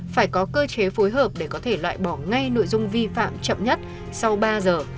phải có cơ chế phối hợp để có thể loại bỏ ngay nội dung vi phạm chậm nhất sau ba giờ